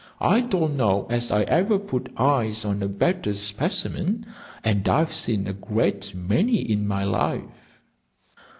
"I don't know as I ever put eyes on a better specimen, and I've seen a great many in my life."